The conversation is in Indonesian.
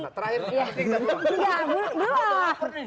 hari mas anta terakhir